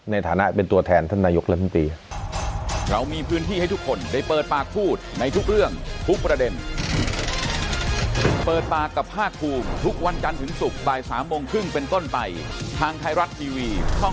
ในฐานะเป็นตัวแทนท่านนายกรัฐมนตรี